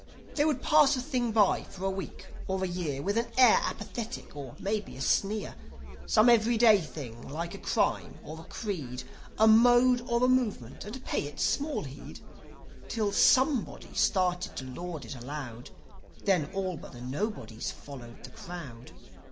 They would pass a thing by for a week or a year, With an air apathetic, or maybe a sneer: Some ev'ryday thing, like a crime or a creed, A mode or a movement, and pay it small heed, Till Somebody started to laud it aloud; Then all but the Nobodies followed the crowd.